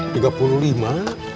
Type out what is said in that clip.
tiga puluh lima